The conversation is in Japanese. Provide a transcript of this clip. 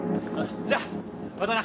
じゃあまたな！